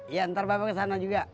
ya ntar bapak kesana juga